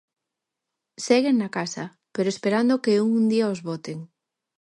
Seguen na casa, pero esperando que un día os boten.